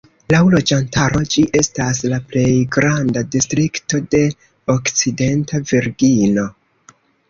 Laŭ loĝantaro ĝi estas la plej granda distrikto de Okcidenta Virginio.